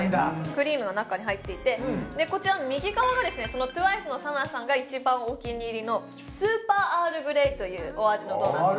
クリームが中に入っていてでこちら右側がですねそのＴＷＩＣＥのＳＡＮＡさんが一番お気に入りのスーパーアールグレイというお味のドーナツです